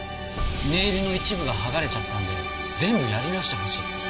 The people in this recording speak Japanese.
ネイルの一部がはがれちゃったんで全部やり直してほしいって。